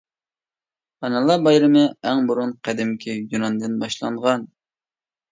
ئانىلار بايرىمى ئەڭ بۇرۇن قەدىمكى يۇناندىن باشلانغان.